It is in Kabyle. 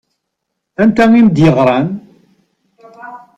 Anta i m-d-yeɣṛan?